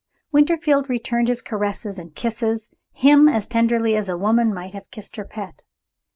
Winterfield returned his caresses, and kisses him as tenderly as a woman might have kissed her pet.